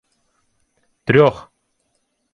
— Трьох.